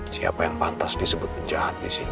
siapa yang pantas disebut penjahat di situ